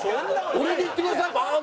俺でいってくださいバーン！